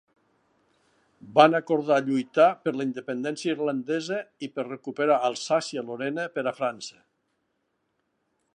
Van acordar lluitar per la independència irlandesa i per recuperar Alsàcia-Lorena per a França.